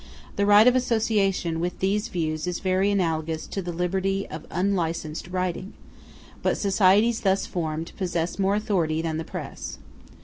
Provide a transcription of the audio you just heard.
The right of association with these views is very analogous to the liberty of unlicensed writing; but societies thus formed possess more authority than the press.